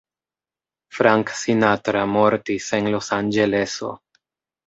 Frank Sinatra mortis en Losanĝeleso.